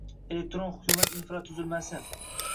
Elektron hukumat infratuzilmasi